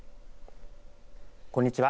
こんにちは。